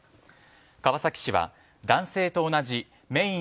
川崎市は、男性と同じメイン